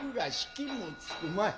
気も付くまい。